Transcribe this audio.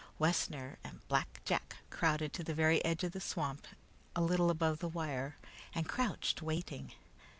Wessner and Black Jack crowded to the very edge of the swamp a little above the wire, and crouched, waiting.